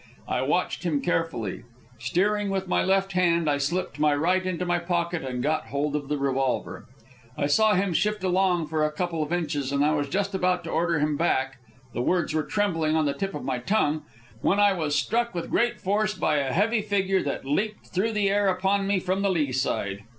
I watched him carefully. Steering with my left hand, I slipped my right into my pocket and got hold of the revolver. I saw him shift along for a couple of inches, and I was just about to order him back the words were trembling on the tip of my tongue when I was struck with great force by a heavy figure that had leaped through the air upon me from the lee side.